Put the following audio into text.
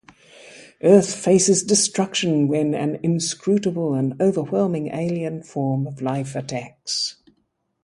Earth faces destruction when an inscrutable and overwhelming alien form of life attacks.